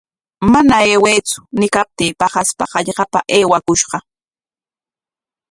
Mana aywaytsu ñiykaptii paqaspa hallqapa aywakushqa.